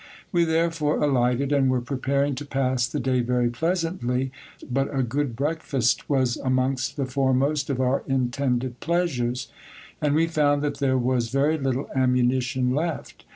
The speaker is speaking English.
We therefore alighted, and were preparing to pass the day very pleasantly, but a good breakfast was amongst the foremost of our intended pleasures ; and we found that therewas very little ammunition left.